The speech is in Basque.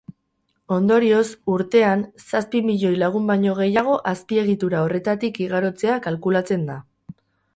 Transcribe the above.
Ondorioz, urtean zazpi milioi lagun baino gehiago azpiegitura horretatik igarotzea kalkulatzen da.